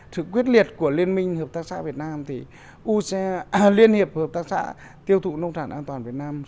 sự quyết liệt của liên minh hợp tác xã việt nam thì liên hiệp hợp tác xã tiêu thụ nông sản an toàn việt nam